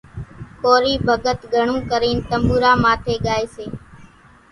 ڪورِي ڀڳت گھڻون ڪرينَ تنٻوُرا ماٿيَ ڳائيَ سي۔